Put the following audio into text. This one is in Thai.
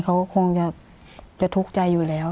เขาคงจะทุกข์ใจอยู่แล้ว